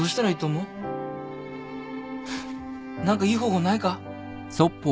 何かいい方法ないか？